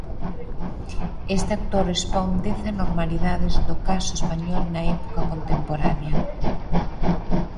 Este autor expón dez «anormalidades» do caso español na época contemporánea.